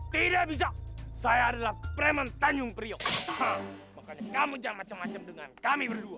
tidak bisa saya adalah preman tanjung priok makanya kamu jangan macam macam dengan kami berdua